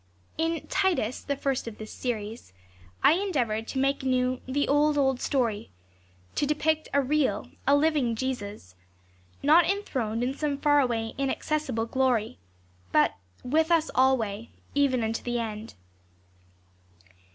TN "Titus," the first of this series, I endeavored to ^ make new "the old, old story," to depict a real, a living Jesus, not enthroned in some far away inac cessible glory, but "with us alway, even unto the end."